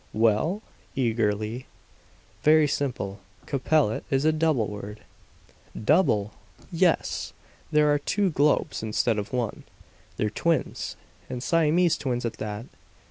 "Well?" eagerly. "Very simple. Capellete is a double world!" "Double!" "Yes! There are two globes, instead of one. They're twins, and Siamese twins at that!"